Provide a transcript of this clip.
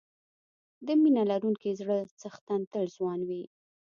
د مینه لرونکي زړه څښتن تل ځوان وي.